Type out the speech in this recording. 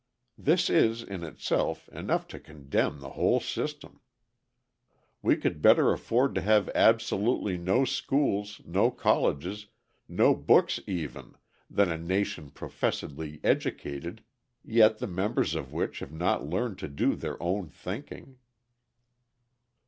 This is, in itself, enough to condemn the whole system. We could better afford to have absolutely no schools, no colleges, no books even, than a nation professedly educated, yet the members of which have not learned to do their own thinking.